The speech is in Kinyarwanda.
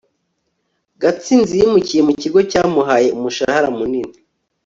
gatsinzi yimukiye mu kigo cyamuhaye umushahara munini